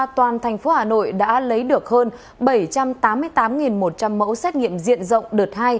toàn thành phố hà nội đã lấy được hơn bảy trăm tám mươi tám một trăm linh mẫu xét nghiệm diện rộng đợt hai